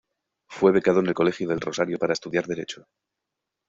Fue becado en el Colegio del Rosario para estudiar derecho.